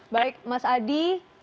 baik mas adi